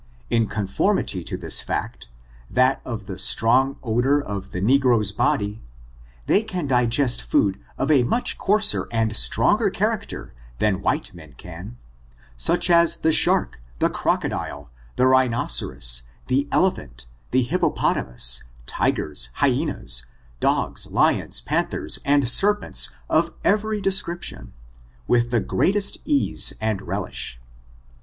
In conformity to this fact, that of the strong odor of the negro's body, they can digest food of a much coarser and stronger character than white men can, such as the shark, the crocodile, the rhinoc eros, the elephant, the hippopotamus, tigers, hyo9naS| dogSj lions, panthers, and serpents of every descrip tion, with the greatest ease and relish.